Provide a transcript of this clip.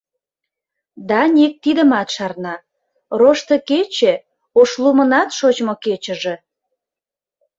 Даник тидымат шарна: Рошто кече — Ошлумынат шочмо кечыже.